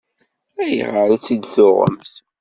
Ayɣer i tt-id-tuɣemt?